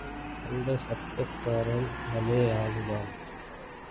அந்தச் சர்க்கஸ்காரன் பலே ஆள்தான்.